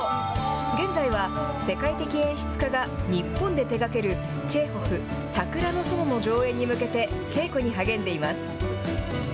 現在は世界的演出家が日本で手がけるチェーホフ、桜の園の上演に向けて、稽古に励んでいます。